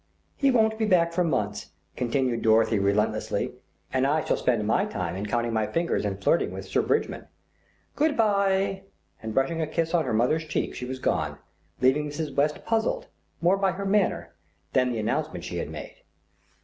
"He won't be back for months," continued Dorothy relentlessly, "and I shall spend my time in counting my fingers and flirting with Sir Bridgman. Good byeeeeee," and brushing a kiss on her mother's cheek she was gone, leaving Mrs. West puzzled, more by her manner than the announcement she had made.